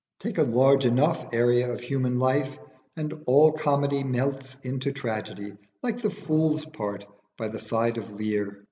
Take a large enough area of human life and all comedy melts into tragedy, like the Fool's part by the side of Lear.